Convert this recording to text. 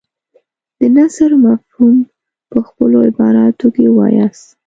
د نثر مفهوم په خپلو عباراتو کې ووایاست.